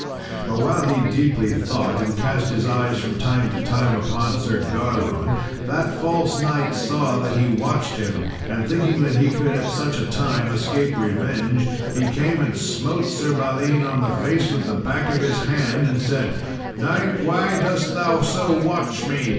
But while he deeply thought, and cast his eyes from time to time upon Sir Garlon, that false knight saw that he watched him, and thinking that he could at such a time escape revenge, he came and smote Sir Balin on the face with the back of his hand, and said, "Knight, why dost thou so watch me?